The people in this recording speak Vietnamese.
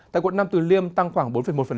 tại quận nam từ liêm tăng khoảng bốn một